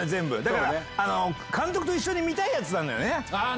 だから監督と一緒に見たいやつなんだよね。